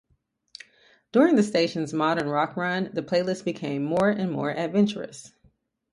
During the station's modern rock run, the playlist became more and more adventurous.